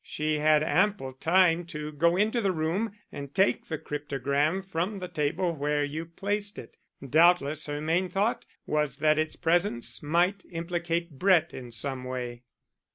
She had ample time to go into the room and take the cryptogram from the table where you placed it. Doubtless her main thought was that its presence might implicate Brett in some way."